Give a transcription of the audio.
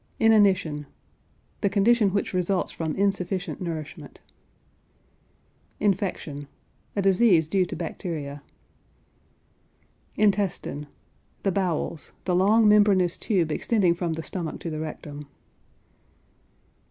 INANITION. The condition which results from insufficient nourishment. INFECTION. A disease due to bacteria. INTESTINE. The bowels; the long membranous tube extending from the stomach to the rectum.